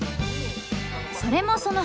それもそのはず。